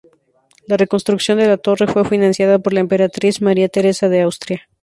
La re-construcción de la torre fue financiada por la emperatriz María Teresa de Austria.